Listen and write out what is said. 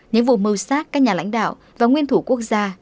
những vụ mưu sát các nhà lãnh đạo và nguyên thủ quốc gia